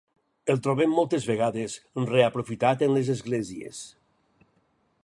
El trobem moltes vegades reaprofitat en les esglésies.